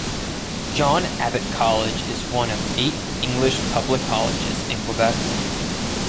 John Abbott College is one of eight English public colleges in Quebec.